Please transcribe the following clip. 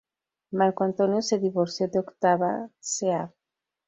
Marco Antonio se divorció de Octavia ca.